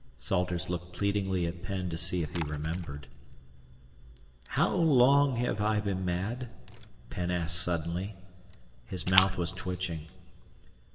Salters looked pleadingly at Penn to see if he remembered. "How long have I been mad?" Penn asked suddenly. His mouth was twitching.